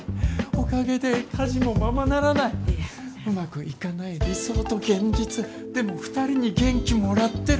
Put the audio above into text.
おかげで家事もままならないうまくいかない理想と現実でも２人に元気もらってる